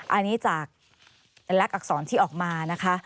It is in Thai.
อันนี้จากลักษรที่ออกมานะคะ